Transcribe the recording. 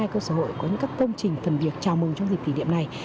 hai mươi hai cơ sở hội có những các tôn trình phần việc chào mừng trong dịp kỷ niệm này